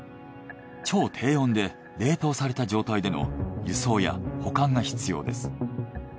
超低温で冷凍された状態での輸送や保管が必要です。